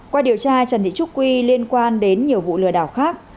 qua điều tra trần thị trúc quy liên quan đến nhiều vụ lừa đảo khác